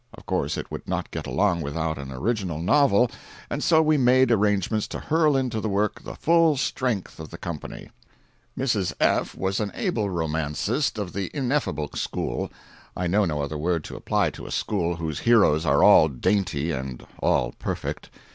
Of course it could not get along without an original novel, and so we made arrangements to hurl into the work the full strength of the company. Mrs. F. was an able romancist of the ineffable school—I know no other name to apply to a school whose heroes are all dainty and all perfect.